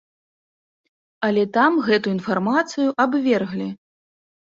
Але там гэту інфармацыю абверглі.